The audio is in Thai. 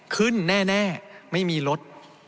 ขึ้นแน่ไม่มีรถ